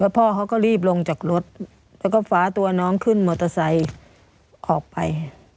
พ่อเขาก็รีบลงจากรถแล้วก็ฟ้าตัวน้องขึ้นมอเตอร์ไซค์ออกไป